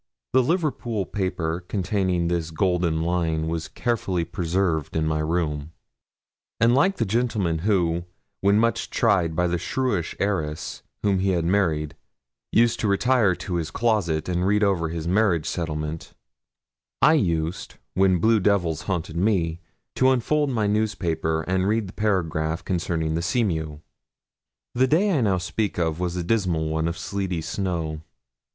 The Liverpool paper containing this golden line was carefully preserved in my room; and like the gentleman who, when much tried by the shrewish heiress whom he had married, used to retire to his closet and read over his marriage settlement, I used, when blue devils haunted me, to unfold my newspaper and read the paragraph concerning the Seamew. The day I now speak of was a dismal one of sleety snow.